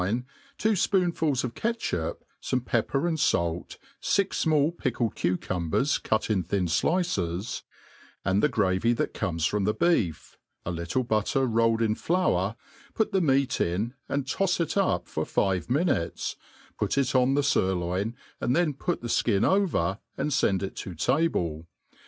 55 nne» two fpoonfuh of catchup, fome pepper and fair, fix fmall pickicd cucumbers cut in thin flices^ and the gravy that comes from the beef, a little batter rolled in flour, put the meat in^ )ind tofs it up for five minutes^ put it on the firloin, and then puc the /kin over, and fend it to table.